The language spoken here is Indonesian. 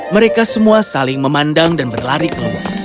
mereka semua saling memandang dan berlari ke luar